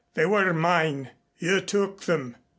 They were mine. You took them.